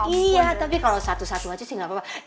iya tapi kalau satu satu aja sih nggak apa apa